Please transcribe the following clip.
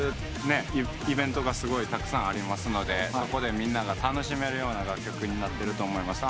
イベントがすごいたくさんありますのでそこでみんなが楽しめるような楽曲になってると思います。